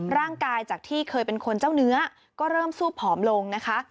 ร่างกายจากที่เคยเป็นคนเจ้าเนื้อก็เริ่มซู่ปหอมลงนะคะ